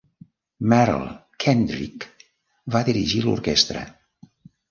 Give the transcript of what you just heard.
Merle Kendrick va dirigir l'orquestra.